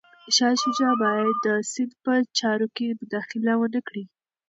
شاه شجاع باید د سند په چارو کي مداخله ونه کړي.